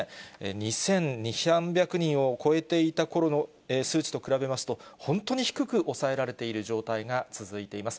２２００、３００万人と数値と比べますと本当に低く抑えられている状態が続いています。